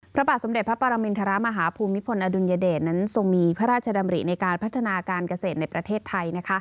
พระบาทสมเด็จพระปรมินทรมาฮภูมิพลอดุลยเดชนั้นทรงมีพระราชดำริในการพัฒนาการเกษตรในประเทศไทย